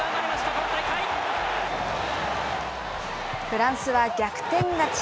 フランスは逆転勝ち。